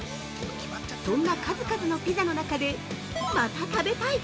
そんな数々のピザの中でまた食べたい！